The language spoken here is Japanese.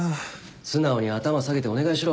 素直に頭下げてお願いしろ。